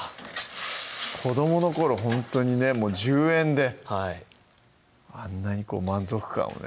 子どもの頃ほんとにねもう１０円であんなにこう満足感をね